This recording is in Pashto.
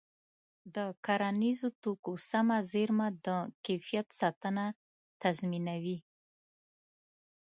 د کرنیزو توکو سمه زېرمه د کیفیت ساتنه تضمینوي.